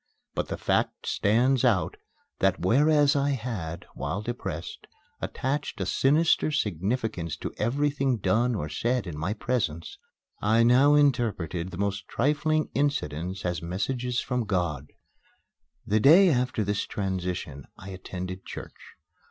But the fact stands out, that, whereas I had, while depressed, attached a sinister significance to everything done or said in my presence, I now interpreted the most trifling incidents as messages from God. The day after this transition I attended church.